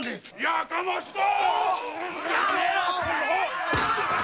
やかましか！